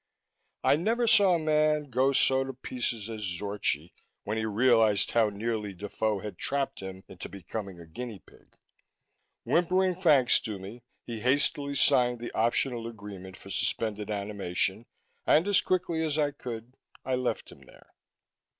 I never saw a man go so to pieces as Zorchi, when he realized how nearly Defoe had trapped him into becoming a guinea pig. Whimpering thanks to me, he hastily signed the optional agreement for suspended animation and, as quickly as I could, I left him there.